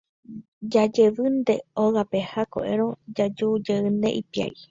Jajevýnte ógape ha ko'ẽrõ jajujeýne ipiári.